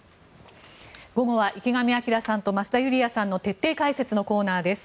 午後は池上彰さんと増田ユリヤさんの徹底解説のコーナーです。